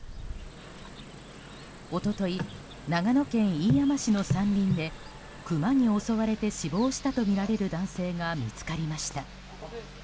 一昨日、長野県飯山市の山林でクマに襲われて死亡したとみられる男性が見つかりました。